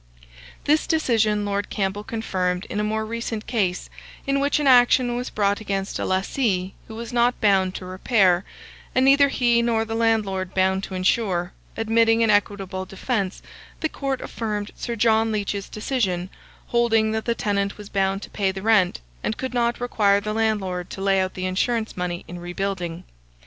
This decision Lord Campbell confirmed in a more recent case, in which an action was brought against a lessee who was not bound to repair, and neither he nor the landlord bound to insure; admitting an equitable defence, the court affirmed Sir John Leach's decision, holding that the tenant was bound to pay the rent, and could not require the landlord to lay out the insurance money in rebuilding.